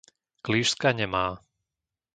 Klížska Nemá